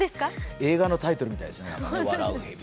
映画のタイトルみたいですね。